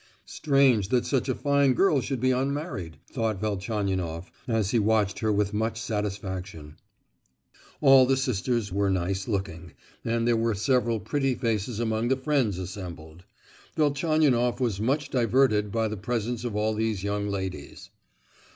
"Strange, that such a fine girl should be unmarried," thought Velchaninoff, as he watched her with much satisfaction. All the sisters were nice looking, and there were several pretty faces among the friends assembled. Velchaninoff was much diverted by the presence of all these young ladies.